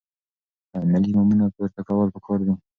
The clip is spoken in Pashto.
عملي ګامونه پورته کول پکار دي.